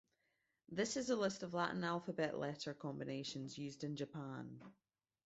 This is a list of Latin alphabet letter combinations used in Japan.